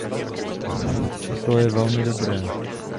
Domníváme se, že to je velmi dobré.